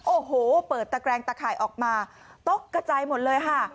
โอ้โหเปิดตะแกรงตะข่ายออกมาตกกระจายหมดเลยค่ะ